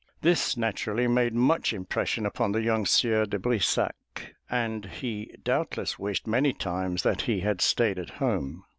This naturally made much impression upon the young Sieur de Brissac, and he doubtless wished many times that he had stayed at home.